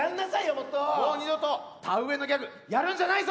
もう二度と田植えのギャグやるんじゃないぞ！